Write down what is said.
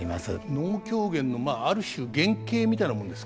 能狂言のある種原型みたいなものですか？